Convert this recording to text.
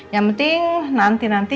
yang penting nanti nanti